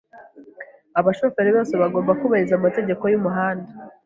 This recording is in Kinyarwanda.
Abashoferi bose bagomba kubahiriza amategeko yumuhanda.